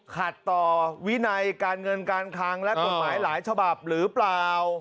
ขัดต่อวินัยการเงินการคังและกฎหมายหลายฉบับหรือเปล่า